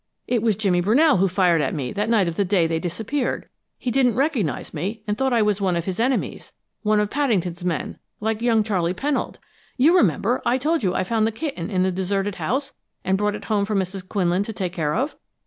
It was Jimmy Brunell who fired at me that night of the day they disappeared. He didn't recognize me, and thought I was one of his enemies one of Paddington's men, like young Charley Pennold. "You remember, I told you I found the kitten in the deserted house and brought it home for Mrs. Quinlan to take care of?